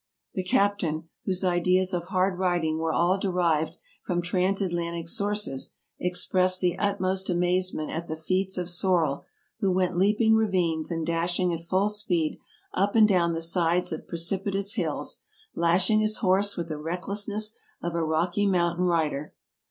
The captain, whose ideas of hard riding were all derived from transatlantic sources, expressed the utmost amazement at the feats of Sorel, who went leaping ravines, and dashing at full speed 74 TRAVELERS AND EXPLORERS up and down the sides of precipitous hills, lashing his horse with the recklessness of a Rocky Mountain rider.